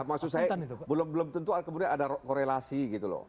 maksud saya belum tentu kemudian ada korelasi gitu loh